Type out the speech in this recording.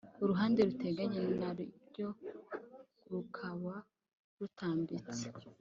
uruhande ruteganye naryo rukaba rutambitse.